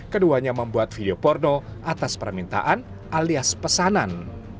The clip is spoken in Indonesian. keduanya membuat video porno atas permintaan alias pesanan